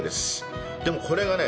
でもこれがね